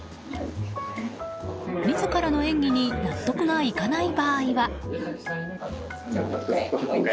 自らの演技に納得がいかない場合は。